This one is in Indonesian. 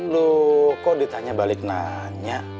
loh kok ditanya balik nanya